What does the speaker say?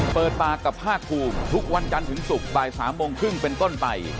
เปิดปากกับภาคภูมิทุกวันจันทร์ถึงศุกร์บ่าย๓โมงครึ่งเป็นต้นไป